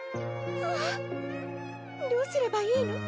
ああどうすればいいの。